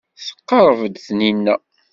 Tqerreb-d Taninna.